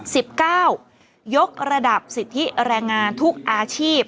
เก้ายกระดับสิทธิแรงงานทุกอาชีพ